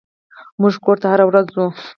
موږ کور ته هره ورځ ځو.